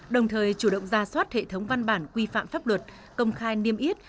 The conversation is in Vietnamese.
đồng thời chủ động ra soát hệ thống văn bản quy phạm pháp luật công khai niêm yết